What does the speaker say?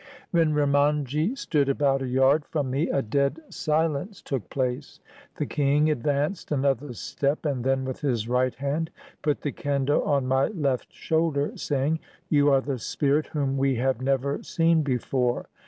When Remandji stood about a yard from me a dead silence took place. The king advanced another step, and then with his right hand put the kendo on my left shoulder, saying, *'You are the spirit whom we have never seen before.